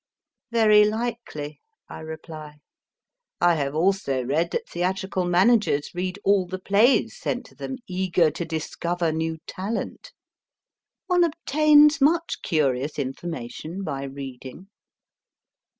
Very likely, I reply ; I have also read that theatrical managers read all the plays sent to them, eager to discover new talent. One obtains much curious infor mation by reading.